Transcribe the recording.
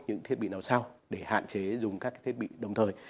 những thiết bị nào sau để hạn chế dùng các thiết bị đồng thời